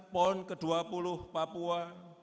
pon ke dua puluh papua